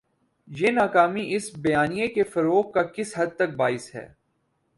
یہ ناکامی اس بیانیے کے فروغ کا کس حد تک باعث ہے؟